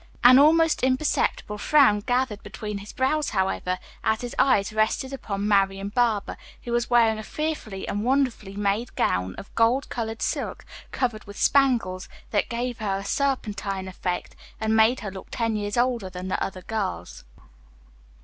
An almost imperceptible frown gathered between his brows, however, as his eyes rested upon Marian Barber, who was wearing a fearfully and wonderfully made gown of gold colored silk, covered with spangles, that gave her a serpentine effect, and made her look ten years older than the other girls.